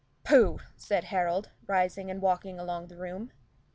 "Pooh!" said Harold, rising and walking along the room.